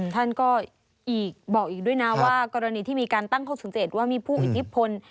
ท่านก็บอกอีกด้วยนะว่ากรณีที่มีการตั้งข้อสังเกตว่ามีผู้อิทธิพล